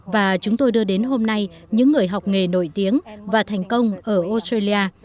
và chúng tôi đưa đến hôm nay những người học nghề nổi tiếng và thành công ở australia